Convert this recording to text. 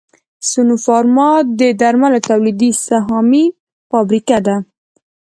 سنوفارما د درملو تولیدي سهامي فابریکه ده